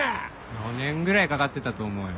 ４年ぐらいかかってたと思うよ。